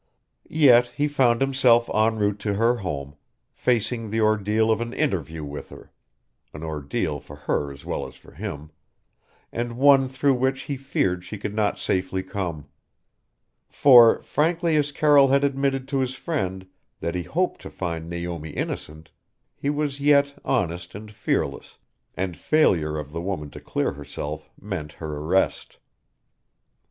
Yet he found himself en route to her home, facing the ordeal of an interview with her an ordeal for her as well as for him and one through which he feared she could not safely come. For, frankly as Carroll had admitted to his friend that he hoped to find Naomi innocent he was yet honest and fearless, and failure of the woman to clear herself meant her arrest.